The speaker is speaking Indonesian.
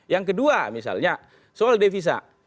yang kedua misalnya soal devisa